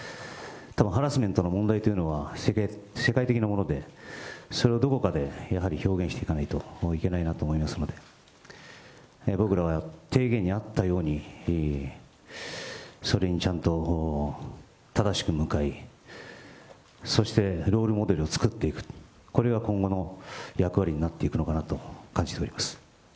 たぶんハラスメントの問題というのは、世界的なもので、それをどこかでやはり表現していかないといけないなと思いますので、僕らは提言にあったように、それにちゃんと正しく向かい、そしてロールモデルを作っていく、これが今後の役割になっていくのかなと感じております。